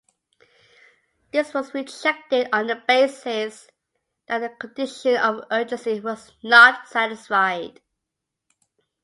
This was rejected on the basis that the condition of urgency was not satisfied.